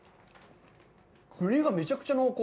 栗がめちゃくちゃ濃厚。